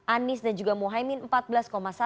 anies dan juga muhaymin empat belas satu persen